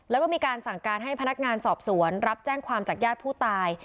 แล้วก็มีการสั่งการให้พนักงานสอบสวนรับแจ้งความจากญาติผู้ตาย